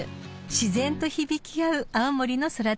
［自然と響き合う青森の空旅です］